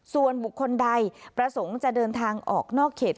ส่วนบุคคลใดประสงค์จะเดินทางออกนอกเขต